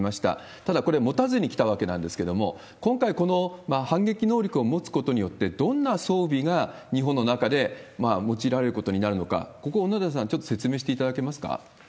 ただ、これ持たずにきたわけなんですけれども、今回、この反撃能力を持つことによって、どんな装備が日本の中で用いられることになるのか、ここ、小野寺さん、ちょっと説明していただけますか？